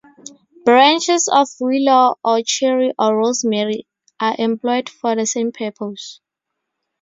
Branches of willow or cherry or rosemary are employed for the same purpose.